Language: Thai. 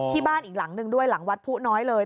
บ้านอีกหลังหนึ่งด้วยหลังวัดผู้น้อยเลย